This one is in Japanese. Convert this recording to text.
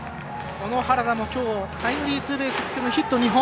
この原田もきょうタイムリーツーベース含むヒット２本。